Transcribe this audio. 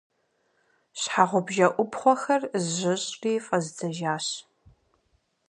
Щхьэгъубжэ ӏупхъуэхэр зжьыщӏри фӏэздзэжащ.